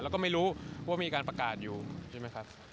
แล้วก็ไม่รู้ว่ามีการประกาศอยู่ใช่ไหมครับ